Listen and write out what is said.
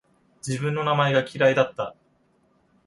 自分の名前が嫌いだった